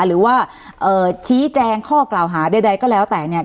หรือว่าชี้แจงข้อกล่าวหาใดก็แล้วแต่เนี่ย